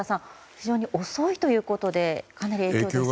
非常に遅いということでかなり影響がありそうですね。